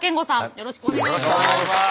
よろしくお願いします。